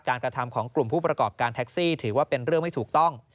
กระทำของกลุ่มผู้ประกอบการแท็กซี่ถือว่าเป็นเรื่องไม่ถูกต้อง